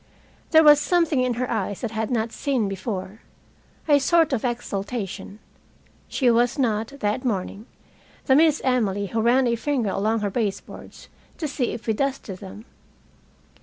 There was something in her eyes that I had not seen before a sort of exaltation. She was not, that morning, the Miss Emily who ran a finger along her baseboards to see if we dusted them.